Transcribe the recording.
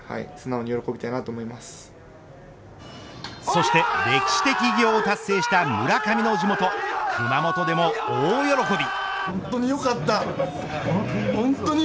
そして歴史的偉業を達成した村上の地元熊本でも大喜び。